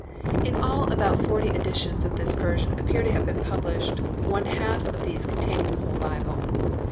In all about forty editions of this version appear to have been published, one half of these containing the whole Bible.